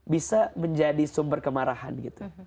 bisa menjadi sumber kemarahan gitu